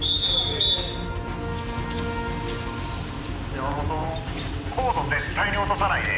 山本高度絶対に落とさないで。